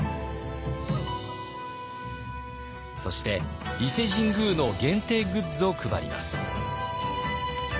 そして伊勢神宮の限定グッズを配ります。